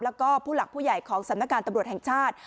แล้วก็ผู้หลักผู้ใหญ่ของสำนักการตำรวจแห่งชาติ